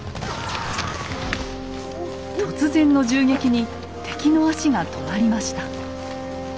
突然の銃撃に敵の足が止まりました。